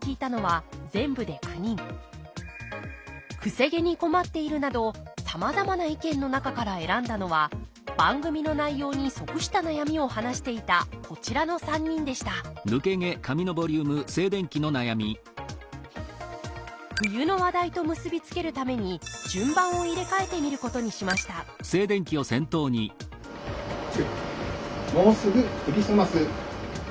「癖毛に困っている」などさまざまな意見の中から選んだのは番組の内容に即した悩みを話していたこちらの３人でした冬の話題と結び付けるために順番を入れ替えてみることにしました「もうすぐクリスマス」。